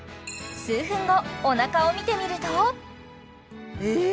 数分後おなかを見てみるとええ？